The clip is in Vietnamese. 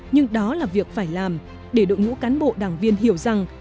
nhưng đó là việc phải làm để đội ngũ cán bộ đảng viên hiểu rằng